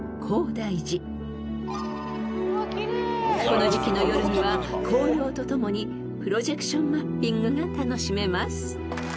［この時季の夜には紅葉と共にプロジェクションマッピングが楽しめます］